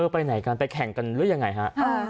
ไปไหนกันไปแข่งกันหรือยังไงฮะ